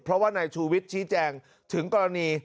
เพราะว่านายชูวิทย์ชี้แจงถึงกรณี